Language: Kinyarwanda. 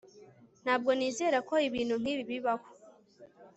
Ntabwo nizera ko ibintu nkibi bibaho